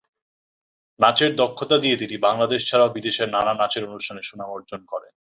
নাচের দক্ষতা দিয়ে তিনি বাংলাদেশ ছাড়াও বিদেশের নানা নাচের অনুষ্ঠানে সুনাম অর্জন করেন।